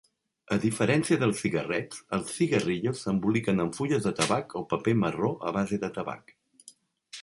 A diferència dels cigarrets, els "cigarillos" s'emboliquen en fulles de tabac o paper marró a base de tabac.